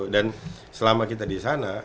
dan selama kita disana